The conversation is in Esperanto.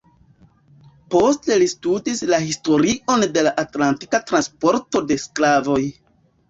Poste li studis la historion de la atlantika transporto de sklavoj.